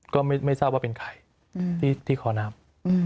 ก็ไม่ทราบว่าเป็นใครที่คอน้ำ